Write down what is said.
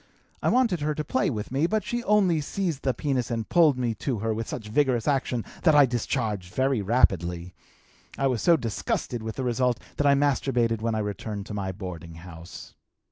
I wanted her to play with me, but she only seized the penis and pulled me to her with such vigorous action that I discharged very rapidly. I was so disgusted with the result that I masturbated when I returned to my boarding house.